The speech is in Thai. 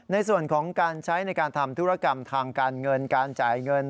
ในส่วนของการใช้ในการทำธุรกรรมทางการเงินการจ่ายเงิน